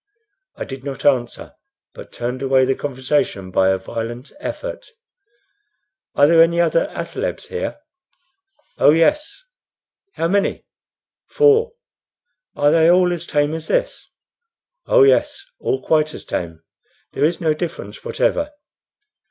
I did not answer, but turned away the conversation by a violent effort. "Are there any other athalebs here?" "Oh yes." "How many?" "Four." "Are they all as tame as this?" "Oh yes, all quite as tame; there is no difference whatever."